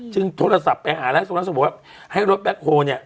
จึงโทรศัพท์ไปหาแล้วสมมุติสมมุติให้รถแบ็คโฮล์เนี้ย